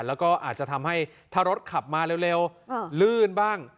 แล้วก็อาจจะทำให้ถ้ารถขับมาเร็วลื่นบ้าง